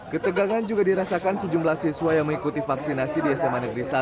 ketegangan juga dirasakan sejumlah siswa yang mengikuti vaksinasi di sma negeri satu